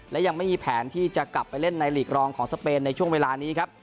และยังไม่มีแผนที่จะกลับไปเล่นในหลีกรองของสเปนในช่วงเวลานี้ครับ